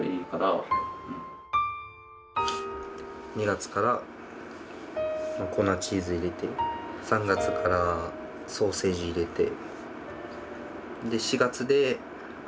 ２月から粉チーズ入れて３月からソーセージ入れて。